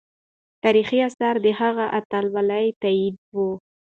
تاریخي آثار د هغې اتلولي تاییدوي.